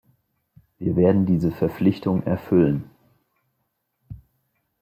Wir werden diese Verpflichtung erfüllen.